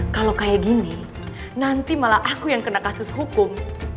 kalau kayak gini nanti malah aku yang kena kasus hukum